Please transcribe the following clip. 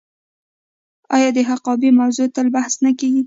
آیا د حقابې موضوع تل بحث نه کیږي؟